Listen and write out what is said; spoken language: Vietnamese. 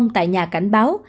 tại nhà cảnh báo